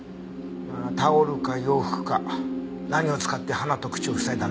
タオルか洋服か何を使って鼻と口をふさいだんだろうね。